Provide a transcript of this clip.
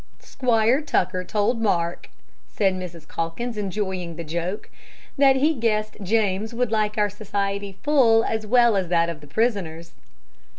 "Squire Tucker told Mark," said Mrs. Calkins, enjoying the joke, "that he guessed James would like our society full as well as that of the prisoners."